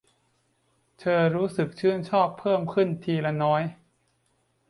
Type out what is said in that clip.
เธอรู้สึกชื่นชอบเพิ่มขึ้นที่ละน้อย